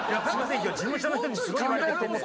今日事務所の人にすごい言われてきてて」。